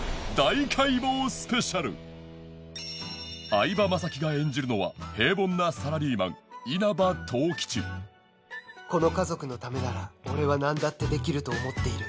相葉雅紀が演じるのはこの家族のためなら俺はなんだってできると思っている